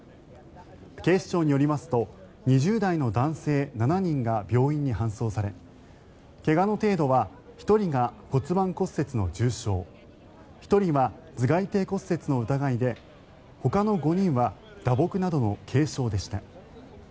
警視庁によりますと２０代の男性７人が病院に搬送され怪我の程度は１人が骨盤骨折の重傷１人は頭がい底骨折の疑いでほかの５人は打撲などの軽傷でした。